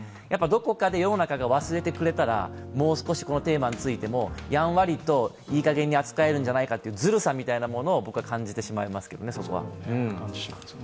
どこかで世の中が忘れてくれたらもう少しこのテーマについても、やんわりといいかげんに扱えるのではないかというずるさみたいなものを感じてしまいますけどね、そこは。